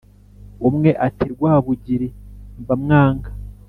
Umwe, ati: Rwabugiri mba mwanga!